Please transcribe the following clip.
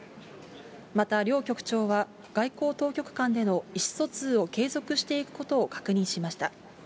また両局長は外交当局間での意思疎通を継続していくことを確認しました。